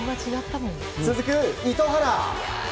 続く糸原。